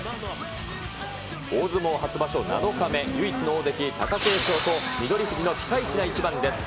大相撲初場所７日目、唯一の大関・貴景勝と翠富士のピカイチな一番です。